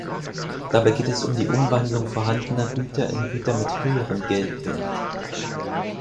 Dabei geht es um die Umwandlung vorhandener Güter in Güter mit höherem Geldwert.